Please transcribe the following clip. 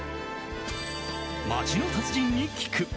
街の達人に聞く！